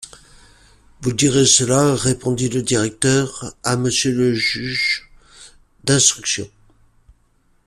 Vous direz cela, répondit le directeur, à monsieur le juge d’instruction...